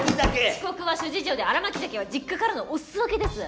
遅刻は諸事情で新巻鮭は実家からのお裾分けです。